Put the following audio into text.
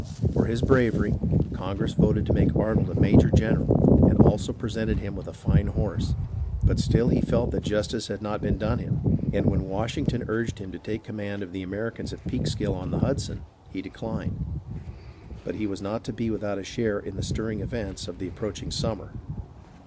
For his bravery Congress voted to make Arnold a major general and also presented him with a fine horse; but still he felt that jus tice had not been done him, and when Washington urged him to take command of the Americans at Peekskill on the Hudson, he declined. But he was not to be without a share in the stirring events of the approaching summer.